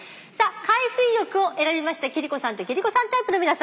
「海水浴」を選びました貴理子さんと貴理子さんタイプの皆さん